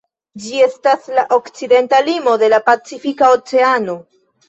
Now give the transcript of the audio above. Ĝi estas la okcidenta limo de la Pacifika Oceano.